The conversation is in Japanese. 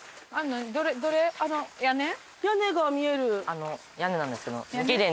あの屋根なんですけど。